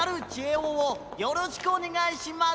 おをよろしくおねがいします。